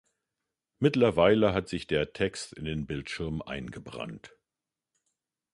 Mittlerweile hat sich der Text in den Bildschirm eingebrannt.